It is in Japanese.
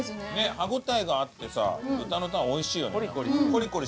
歯応えがあってさ豚のタンおいしいよねコリコリしててね。